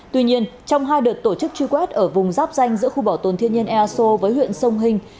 tuy nhiên trong hai đợt tổ chức truy quét ở vùng giáp danh giữa khu bảo tồn thiên nhiên eso với huyện sông hình